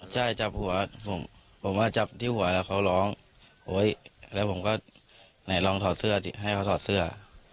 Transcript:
ใช่จับหัวผมผมจับที่หัวแล้วเขาร้องโอ๊ยแล้วผมก็ไหนลองถอดเสื้อสิให้เขาถอดเสื้อ